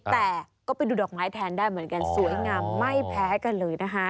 แต่ก็ไปดูดอกไม้แทนได้เหมือนกันสวยงามไม่แพ้กันเลยนะคะ